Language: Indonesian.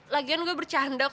lagian gue bercanda kok